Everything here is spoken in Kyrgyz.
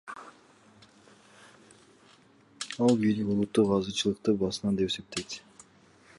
Ал бийлик улуттук азчылыкты басынтат деп эсептейт.